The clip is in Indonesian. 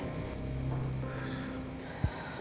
bukan dia pelakunya